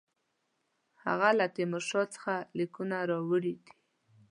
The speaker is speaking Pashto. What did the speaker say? هغه له تیمورشاه څخه لیکونه راوړي دي.